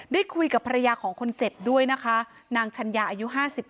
ได้คุยกับภรรยาของคนเจ็บด้วยนะคะนางชัญญาอายุ๕๗